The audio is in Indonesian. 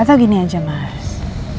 atau gini aja mas